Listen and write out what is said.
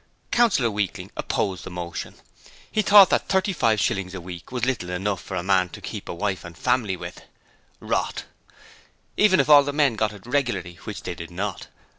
Councillor Weakling opposed the motion. He thought that 35/ a week was little enough for a man to keep a wife and family with (Rot), even if all the men got it regularly, which they did not.